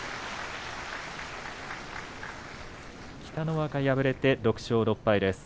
北の若、敗れて６勝６敗です。